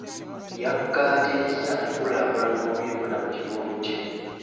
Yakkaatiriza enkulaakulana mu byenfuna mu kitundu kye.